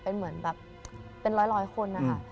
เป็นเหมือนแบบเป็นร้อยคนนะคะ